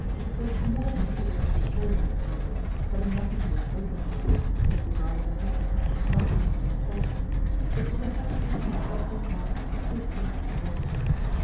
So she never considered Coupeau in this matter, having nothing to reproach herself with as regarded her husband, not even in her thoughts. But with a hesitating and suffering heart, she would think of the blacksmith.